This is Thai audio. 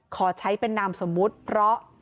ขอใช้เป็นนามสมมุติเพราะ